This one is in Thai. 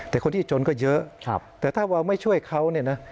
แต่คนที่จนก็เยอะแต่ถ้าเราไม่ช่วยเขาเนี่ยนะ